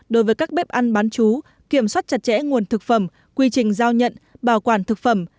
đối với các bếp ăn bán chú kiểm soát chặt chẽ nguồn thực phẩm quy trình giao nhận bảo quản thực phẩm